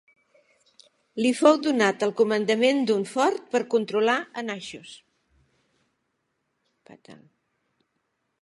Li fou donat el comandament d'un fort per controlar a Naxos.